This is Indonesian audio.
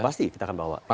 pasti kita akan bawa